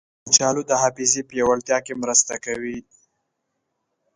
کچالو د حافظې پیاوړتیا کې مرسته کوي.